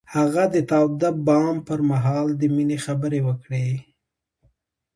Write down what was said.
هغه د تاوده بام پر مهال د مینې خبرې وکړې.